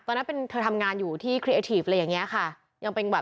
ตอนนั้นเป็นเธอทำงานอยู่ที่ครีเอทีฟอะไรอย่างนี้ค่ะ